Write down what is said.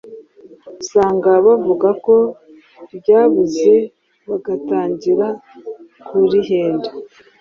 usanga bavuga ko ryabuze bagatangira kurihenda